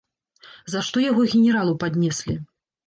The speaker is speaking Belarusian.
За што яго генералу паднеслі?